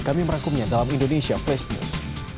kami merangkumnya dalam indonesia flash news